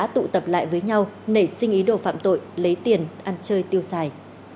tụ tập lại với nhau nảy sinh ý đồ phạm tội lấy tiền ăn chơi tiêu xài